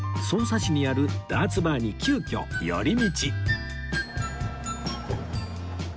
匝瑳市にあるダーツバーに急きょ寄り道